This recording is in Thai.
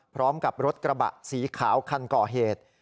พร้อมกับรถกระบะสีขาวคันก่อเหตุ